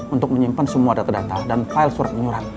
untuk menyimpan semua data data dan file surat iuran